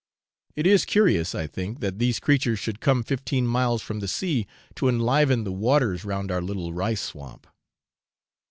It is curious, I think, that these creatures should come fifteen miles from the sea to enliven the waters round our little rice swamp.